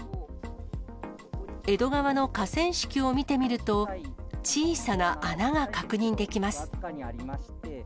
江戸川の河川敷を見てみると、小さな穴が確認できます。